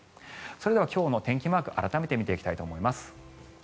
それでは、今日の天気マークを改めて見ていきたいと思います。